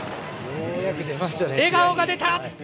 笑顔が出た！